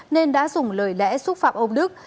nên đã dùng lời lẽ xúc phạm ông đức